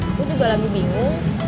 aku juga lagi bingung